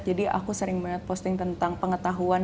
jadi aku sering banget posting tentang pengetahuan